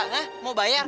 hah mau bayar